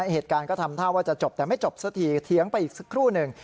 เหตุการณ์ก็ทำท่าว่าจะจบแต่ไม่จบสักทีเถียงไปอีกสักครู่หนึ่ง